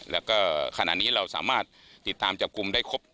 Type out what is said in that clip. แล้วก็ขณะนี้เราสามารถติดตามจับกลุ่มได้ครบ